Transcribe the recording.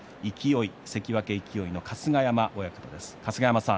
関脇勢の春日山親方です。